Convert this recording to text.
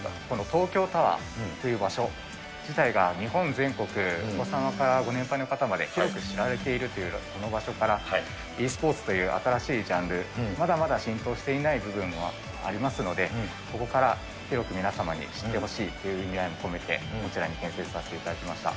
東京タワーという場所自体が、日本全国、お子様からご年配の方から広く知られているこの場所から、ｅスポーツという新しいジャンル、まだまだ浸透していない部分もありますので、ここから広く皆様に知ってほしいという意味合いも込めて、こちらに開設させていただきました。